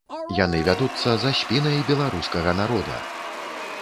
Яны вядуцца за спінай беларускага народа!